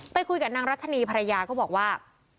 ไปคุยกับนางรัชนีภรรยาก็บอกว่า